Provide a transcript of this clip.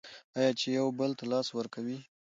آیا چې یو بل ته لاس ورکوي؟